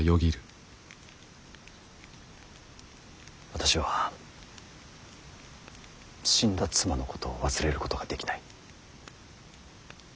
私は死んだ妻のことを忘れることができない。